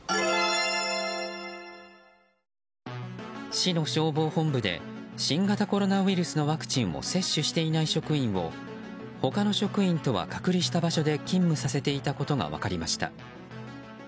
市の消防本部で新型コロナウイルスのワクチンを接種していない職員を他の職員と隔離した場所で勤務させていたことが分かりました。